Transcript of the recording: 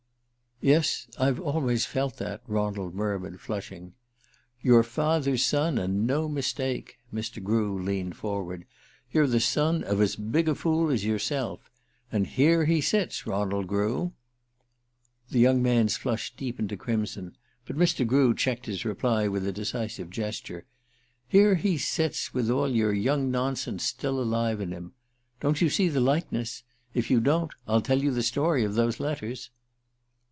"Yes, I've always felt that," Ronald murmured, flushing. "Your father's son, and no mistake." Mr. Grew leaned forward. "You're the son of as big a fool as yourself. And here he sits, Ronald Grew." The young man's flush deepened to crimson; but Mr. Grew checked his reply with a decisive gesture. "Here he sits, with all your young nonsense still alive in him. Don't you see the likeness? If you don't, I'll tell you the story of those letters."